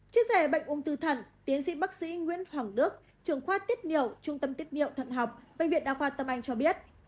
chia sẻ bệnh ung thư thẳng tiến sĩ bác sĩ nguyễn hoàng đức trường khoa tiết niệu trung tâm tiết niệm thận học bệnh viện đa khoa tâm anh cho biết